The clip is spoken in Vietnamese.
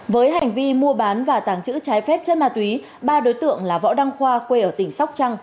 với hành vi mua bán và tàng trữ trái phép chất ma túy ba đối tượng là võ đăng khoa quê ở tỉnh sóc trăng